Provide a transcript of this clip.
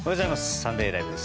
「サンデーＬＩＶＥ！！」です。